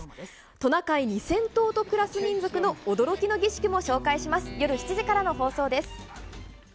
トナカイ２０００頭と暮らす民族の驚きの儀式も紹介します。